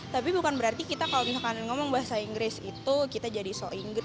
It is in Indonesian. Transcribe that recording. tapi bukan berarti kita kalau misalkan ngomong bahasa inggris itu kita jadi so inggris